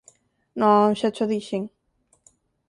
Non, xa cho dixen.